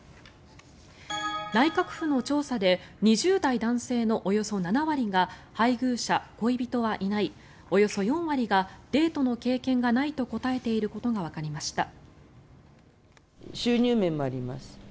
内閣府の調査で２０代男性のおよそ７割が配偶者、恋人はいないおよそ４割がデートの経験がないと答えていることがわかりました。